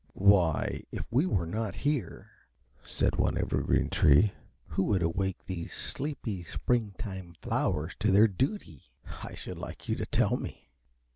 "Why, if we were not here," said one Evergreen Tree, "who would awake these sleepy springtime flowers to their duty? I should like you to tell me!"